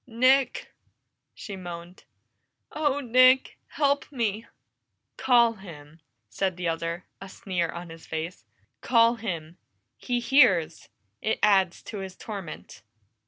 "Nick!" she moaned. "Oh, Nick! Help me!" "Call him!" said the other, a sneer on his face. "Call him! He hears; it adds to his torment!"